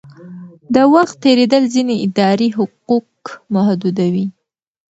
د وخت تېرېدل ځینې اداري حقوق محدودوي.